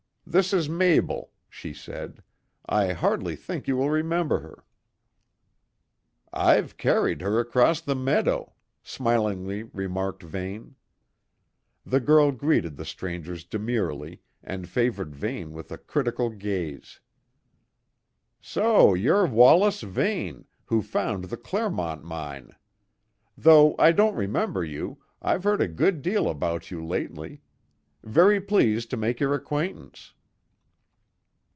"This is Mabel," she said. "I hardly think you will remember her." "I've carried her across the meadow," smilingly remarked Vane. The girl greeted the strangers demurely, and favoured Vane with a critical gaze. "So you're Wallace Vane who found the Clermont mine. Though I don't remember you, I've heard a good deal about you lately. Very pleased to make your acquaintance."